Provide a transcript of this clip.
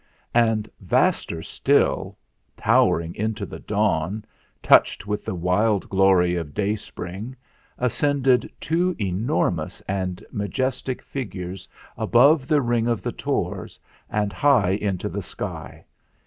And, vaster still, towering into the dawn, touched with the wild glory of dayspring, ascended two enormous and majestic figures above the ring of the tors and high into the sky.